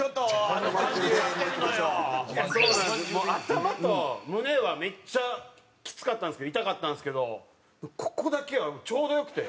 頭と胸はめっちゃきつかったんですけど痛かったんですけどここだけはちょうどよくて。